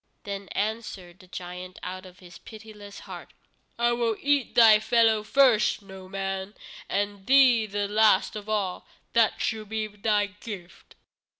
Then answered the giant out of his pitiless heart: "I will eat thy fellows first, Noman, and thee the last of all. That shall be thy gift."